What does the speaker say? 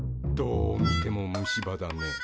どう見ても虫歯だね。